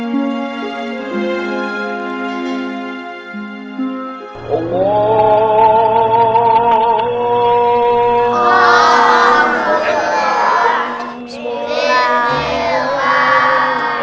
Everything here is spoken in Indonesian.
good kurang pahamlah